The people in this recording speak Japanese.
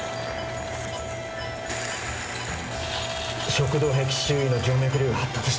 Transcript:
食道壁周囲の静脈瘤が発達してますね。